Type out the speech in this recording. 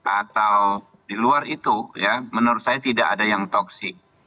atau di luar itu ya menurut saya tidak ada yang toksik